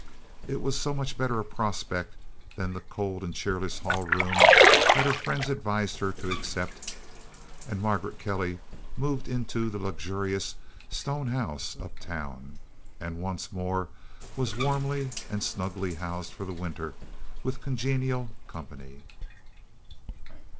It was so much better a prospect than the cold and cheerless hall room that her friends advised her to accept, and Margaret Kelly moved into the luxurious stone house uptown, and once more was warmly and snugly housed for the winter with congenial company.